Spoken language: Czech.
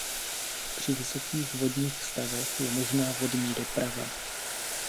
Při vysokých vodních stavech je možná vodní doprava.